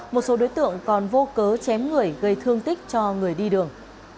một số đối tượng còn vô cớ chém người gây thương tích cho người đi đường